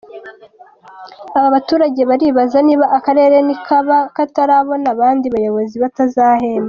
Aba baturage baribaza niba akarere nikaba katarabona abandi bayobozi batazahemba.